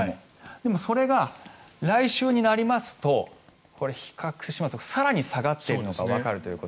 でも、それが来週になりますと比較しますと更に下がっているのがわかるということ。